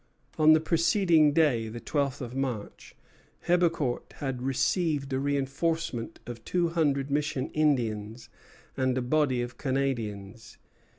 On the preceding day, the twelfth of March, Hebecourt had received a reinforcement of two hundred Mission Indians and a body of Canadians.